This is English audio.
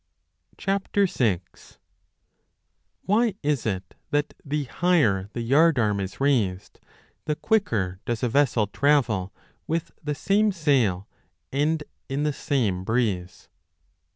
6 WHY is it that the higher the yard arm is raised, the quicker does a vessel travel with the same sail and in the same breeze